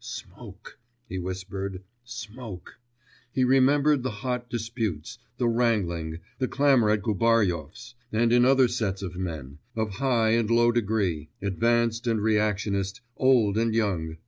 'Smoke,' he whispered, 'smoke'; he remembered the hot disputes, the wrangling, the clamour at Gubaryov's, and in other sets of men, of high and low degree, advanced and reactionist, old and young